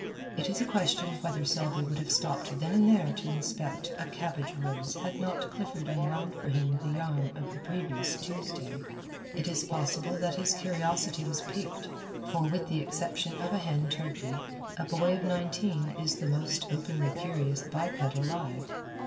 It is a question whether Selby would have stopped then and there to inspect a cabbage rose had not Clifford unwound for him the yarn of the previous Tuesday. It is possible that his curiosity was piqued, for with the exception of a hen turkey, a boy of nineteen is the most openly curious biped alive.